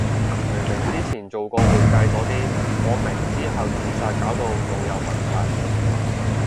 明明之前做過會計個啲，我明之後自殺搞到腦有問題